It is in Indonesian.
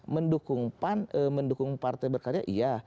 mendukung pan mendukung partai berkarya iya